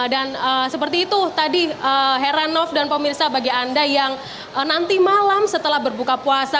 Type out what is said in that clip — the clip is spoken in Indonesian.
dan seperti itu tadi heranov dan pemirsa bagi anda yang nanti malam setelah berbuka puasa